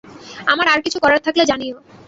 আমার আর কিছু করার থাকলে জানিও।